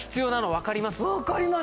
わかります。